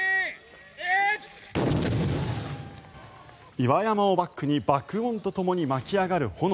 岩山をバックに爆音とともに巻き上がる炎。